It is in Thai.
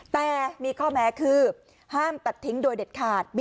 แต่มีข้อแม้คือห้ามตัดทิ้งโดยเด็ดขาด